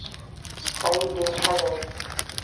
سپی ډېر ښه دی.